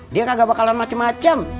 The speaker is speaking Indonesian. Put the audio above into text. dia nggak bakalan macem macem